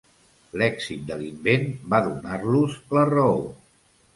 L'èxit de l'invent va donar-los la raó.